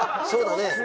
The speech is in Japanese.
そうだね。